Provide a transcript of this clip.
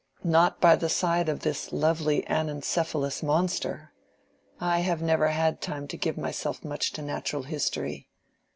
"Not by the side of this lovely anencephalous monster. I have never had time to give myself much to natural history.